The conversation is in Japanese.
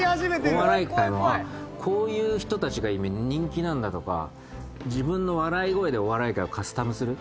お笑い界はこういう人たちが今人気なんだとか自分の笑い声でお笑い界をカスタムする。